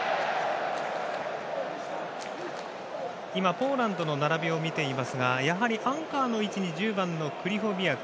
ポーランドの並びを今見ていますがやはりアンカーの位置に１０番のクリホビアク。